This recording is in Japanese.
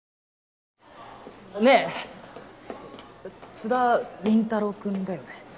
津田林太郎君だよね？